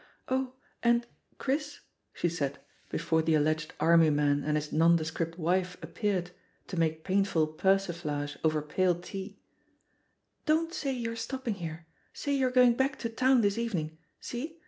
0h, and, Chris," she said, before the alleged army man and his nondescript wife appeared, to make painful persiflage over pale tea, "don't say you're stopping here, say you're going back to town this evening I See